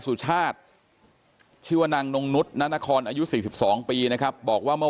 สุชาติชื่อว่านางนงนุษย์นานครอายุ๔๒ปีนะครับบอกว่าเมื่อ